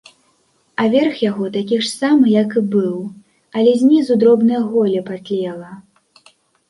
А верх яго такі ж самы, як і быў, але знізу дробнае голле патлела.